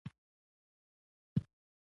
رسوب د افغانانو ژوند اغېزمن کوي.